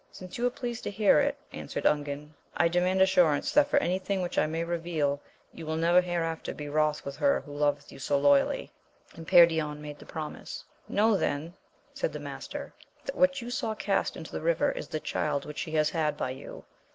Since you are pleased to hear it, answered Ungan, I demand assurance that for any thing which I may reveal, you will never hereafter be wroth with her who loveth you so loyally ; and Perion made the promise. Know * Que no avia dicho nada. AMADI8 OF GAUL 15 then , said the master, that what you saw cast into the river, is the child which she has had by you.